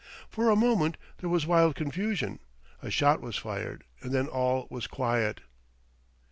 For a moment there was wild confusion, a shot was fired and then all was quiet.